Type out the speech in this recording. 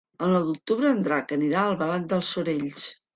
El nou d'octubre en Drac anirà a Albalat dels Sorells.